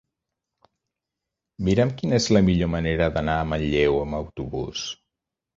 Mira'm quina és la millor manera d'anar a Manlleu amb autobús.